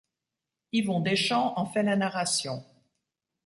Yvon Deschamps en fait la narration.